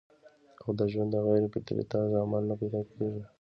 او د ژوند د غېر فطري طرز عمل نه پېدا کيږي